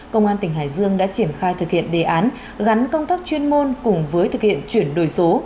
công an tỉnh hải dương đã triển khai thực hiện đề án gắn công tác chuyên môn cùng với thực hiện chuyển đổi số